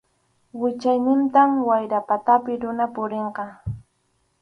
Wichaynintam wayra patapi runa purinqa.